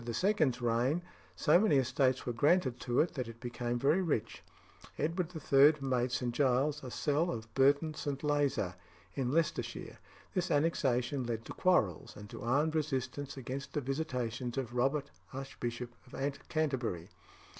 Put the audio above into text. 's reign so many estates were granted to it that it became very rich. Edward III. made St. Giles a cell of Burton St. Lazar in Leicestershire. This annexation led to quarrels, and to armed resistance against the visitations of Robert Archbishop of Canterbury.